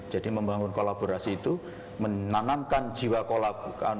jadi membangun kolaborasi itu menanamkan jiwa kolaborasi